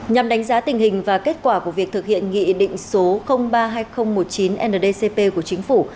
nhằm đánh giá tình hình và kết quả của việc thực hiện nghị định số ba hai nghìn một mươi chín ndcp của chính phủ